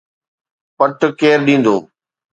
پٽ ڪير ڏيندو؟